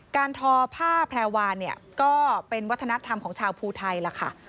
ทอผ้าแพรวาเนี่ยก็เป็นวัฒนธรรมของชาวภูไทยล่ะค่ะ